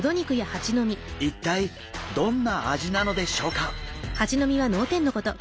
一体どんな味なのでしょうか？